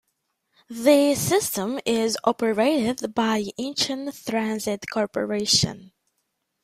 The system is operated by Incheon Transit Corporation.